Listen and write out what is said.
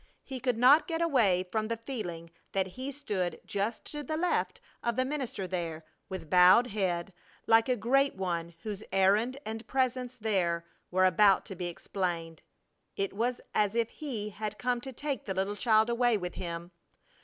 He could not get away from the feeling that He stood just to the left of the minister there, with bowed head, like a great one whose errand and presence there were about to be explained. It was as if He had come to take the little child away with Him.